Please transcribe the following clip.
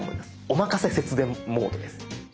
おまかせ節電モードです。